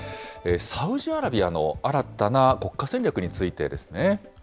サウジアラビアの新たな国家戦略についてですね。